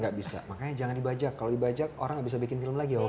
gak bisa makanya jangan dibajak kalau dibajak orang nggak bisa bikin film lagi oke